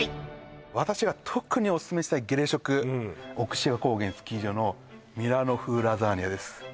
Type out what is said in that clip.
私が特にオススメしたいゲレ食奥志賀高原スキー場のミラノ風ラザーニャです